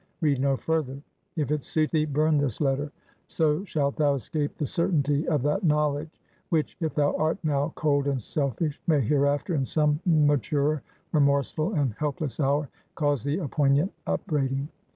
Read no further. If it suit thee, burn this letter; so shalt thou escape the certainty of that knowledge, which, if thou art now cold and selfish, may hereafter, in some maturer, remorseful, and helpless hour, cause thee a poignant upbraiding.